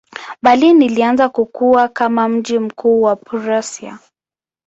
Berlin ilianza kukua kama mji mkuu wa Prussia.